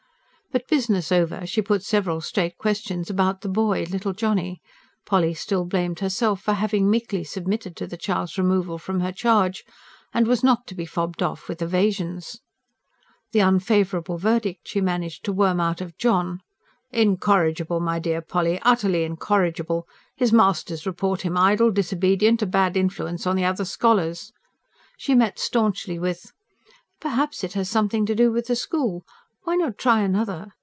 But business over, she put several straight questions about the boy, little Johnny Polly still blamed herself for having meekly submitted to the child's removal from her charge and was not to be fobbed off with evasions. The unfavourable verdict she managed to worm out of John: "Incorrigible, my dear Polly utterly incorrigible! His masters report him idle, disobedient, a bad influence on the other scholars," she met staunchly with: "Perhaps it has something to do with the school. Why not try another?